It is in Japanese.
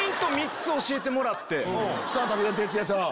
さぁ武田鉄矢さん